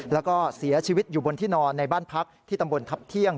แล้วก็เสียชีวิตอยู่บนที่นอนในบ้านพักที่ตำบลทัพเที่ยง